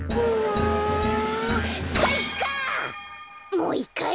もういっかい！